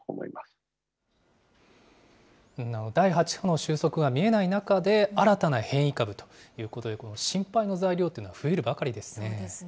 収束が見えない中で、新たな変異株ということで、この心配の材料というのは増えるばかりですね。